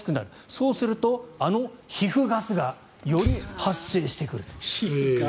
そうすると、あの皮膚ガスがより発生してくる。